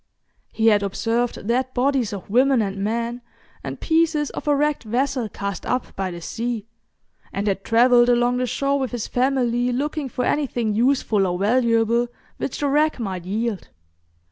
He had observed dead bodies of women and men, and pieces of a wrecked vessel cast up by the sea, and had travelled along the shore with his family, looking for anything useful or valuable which the wreck might yield.